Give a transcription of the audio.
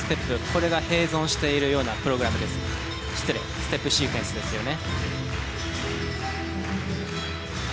これが併存しているようなプログラムです失礼ステップシークエンスですよね。